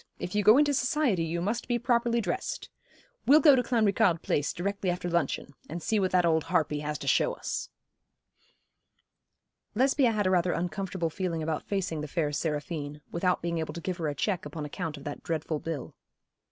If you go into society you must be properly dressed. We'll go to Clanricarde Place directly after luncheon, and see what that old harpy has to show us.' Lesbia had a rather uncomfortable feeling about facing the fair Seraphine, without being able to give her a cheque upon account of that dreadful bill.